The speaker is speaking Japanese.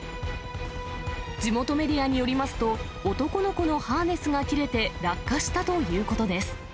地元メディアによりますと、男の子のハーネスが切れて、落下したということです。